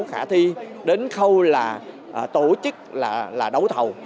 khả thi đến khâu là tổ chức là đấu thầu